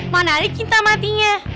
mana ada cinta matinya